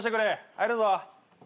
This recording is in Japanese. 入るぞ。